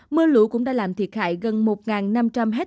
mưa lũ cũng đã làm thiệt hại gần một năm trăm linh hectare